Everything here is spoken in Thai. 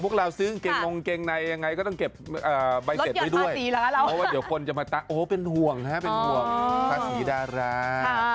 เพราะว่าเดี๋ยวคนจะมาตั้งโอ้เป็นห่วงนะภาษีดารา